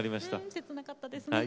切なかったですね。